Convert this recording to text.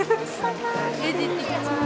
レジ行ってきます。